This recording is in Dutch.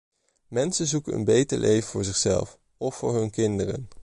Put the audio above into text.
Mensen zoeken een beter leven voor zichzelf of voor hun kinderen.